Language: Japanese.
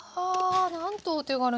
なんとお手軽な。